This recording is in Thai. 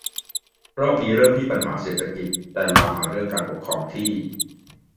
รอบนี้เริ่มที่ปัญหาเศรษฐกิจ แต่ลามมาเรื่องการปกครองที่